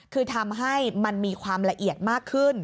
คือทำให้มันมีความละเอียดมากขึ้น